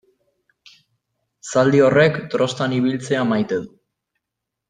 Zaldi horrek trostan ibiltzea maite du.